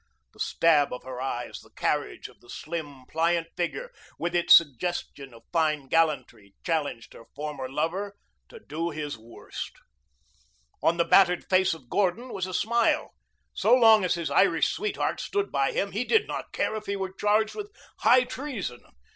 The stab of her eyes, the carriage of the slim, pliant figure with its suggestion of fine gallantry, challenged her former lover to do his worst. On the battered face of Gordon was a smile. So long as his Irish sweetheart stood by him he did not care if he were charged with high treason.